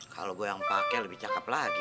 kalau gue yang pakai lebih cakep lagi